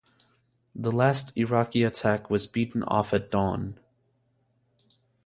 The last Iraqi attack was beaten off at dawn.